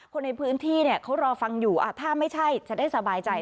คนในพื้นที่เนี่ยเขารอฟังอยู่ถ้าไม่ใช่จะได้สบายใจ